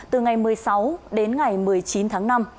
từ ngày một mươi sáu đến ngày một mươi chín tháng năm